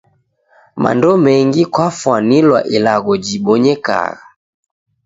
Mando mengi kwafwanilwa ilagho jibonyekagha.